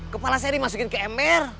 kepala saya dimasukin ke ember